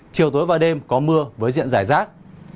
chiều tối và đêm có mưa với diện giải rác